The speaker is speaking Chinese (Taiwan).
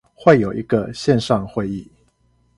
會有一個線上會議